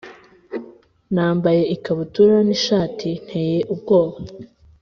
nambaye, ikabutura n’ishati, nteye ubwoba